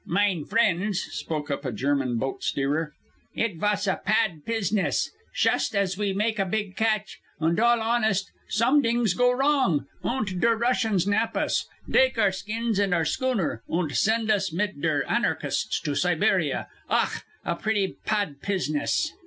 "Mine friends," spoke up a German boat steerer, "it vas a pad piziness. Shust as ve make a big catch, und all honest, somedings go wrong, und der Russians nab us, dake our skins and our schooner, und send us mit der anarchists to Siberia. Ach! a pretty pad piziness!"